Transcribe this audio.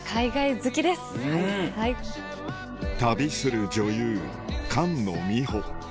旅する女優菅野美穂